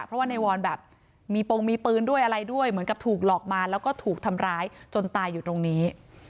เพราะว่าในวอนแบบมีโปรงมีปืนด้วยอะไรด้วยเหมือนกับถูกหลอกมาแล้วก็ถูกทำร้ายจนตายอยู่ตรงนี้